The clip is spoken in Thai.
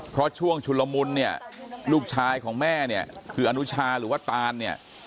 เพราะช่วงชุลมุนเนี่ยลูกชายของแม่เนี่ยคืออนุชาหรือว่าตานเนี่ย